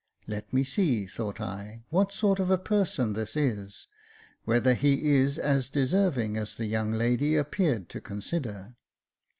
Let me see, thought I, what sort of a person this is — whether he is as deserving as the young lady appeared to consider.